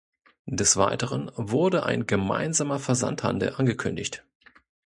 Des Weiteren wurde ein gemeinsamer Versandhandel angekündigt.